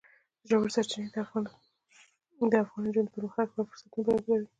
ژورې سرچینې د افغان نجونو د پرمختګ لپاره فرصتونه برابروي.